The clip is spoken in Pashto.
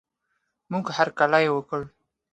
موږ هر کلی یې وکړ.